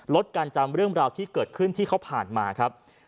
ลดการจำเรื่องราวที่เกิดขึ้นที่เขาผ่านมาครับ